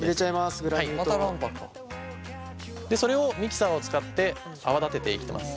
でそれをミキサーを使って泡立てていきます。